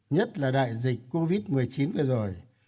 nhất là đại dịch covid một mươi chín vừa rồi